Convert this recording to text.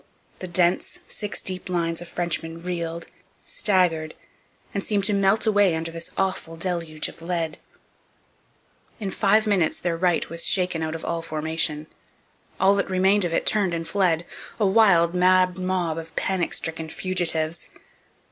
The dense, six deep lines of Frenchmen reeled, staggered, and seemed to melt away under this awful deluge of lead. In five minutes their right was shaken out of all formation. All that remained of it turned and fled, a wild, mad mob of panic stricken fugitives.